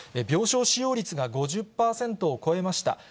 病床使用率が５０％を超えました。